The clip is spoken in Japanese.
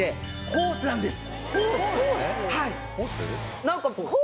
ホースなんです！